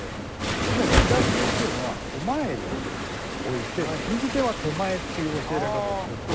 常に左手というのは前に置いて右手は手前っていう教えられ方をするので。